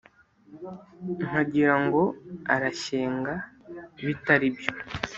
Nkagira ngo arashyenga bitaribyo